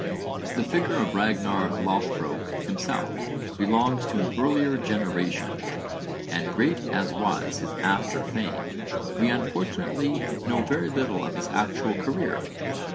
The figure of Ragnarr Loðbrók himself belongs to an earlier generation, and great as was his after fame we unfortunately know very little of his actual career.